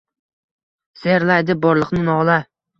Sehrlaydi borliqni nola